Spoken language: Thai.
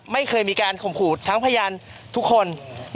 ไม่เคยมีการข่มขู่ทั้งพยานทุกคน